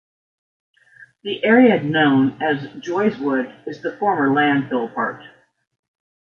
The area now known as Joy's Wood is the former landfill part.